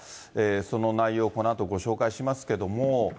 その内容、このあとご紹介しますけども。